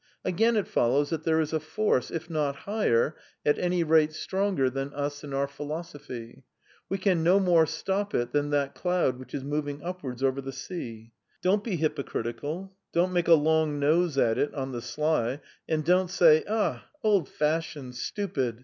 Again it follows that there is a force, if not higher, at any rate stronger, than us and our philosophy. We can no more stop it than that cloud which is moving upwards over the sea. Don't be hypocritical, don't make a long nose at it on the sly; and don't say, 'Ah, old fashioned, stupid!